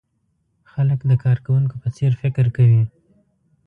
خلک د کارکوونکو په څېر فکر کوي.